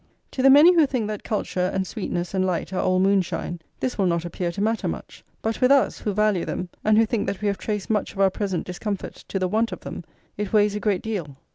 To the many who think that culture, and sweetness, and light, are all moonshine, this will not appear to matter much; but with us, who value [xxxv] them, and who think that we have traced much of our present discomfort to the want of them, it weighs a great deal.